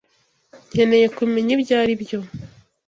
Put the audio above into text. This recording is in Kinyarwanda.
Nkeneye kumenya ibyo aribyo.